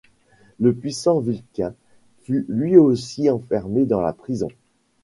Le puissant Vulcain fut lui aussi enfermé dans la prison.